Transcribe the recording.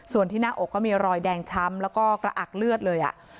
ส่วนที่หน้าอกก็มีรอยแดงช้ำแล้วก็กระอักเลือดเลย